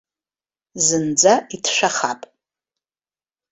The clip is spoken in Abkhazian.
Зынӡа иҭшәахап.